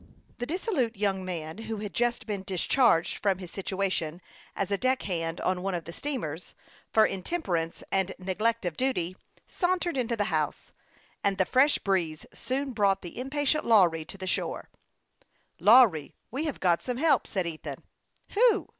The dissolute young man, who had just been dis charged from his situation as a deck hand on one of the steamers, for intemperance and neglect of THE YOUNG PILOT OF LAKE CHAMPLAIN. 121 duty, sauntered into the house ; and the fresh hreeze soon brought the impatient Lawry to the shore. " Lawry, AVG have got some help," said Ethan. " Who